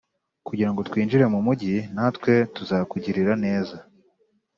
kugira ngo twinjire mu mugi; natwe tuzakugirira neza.”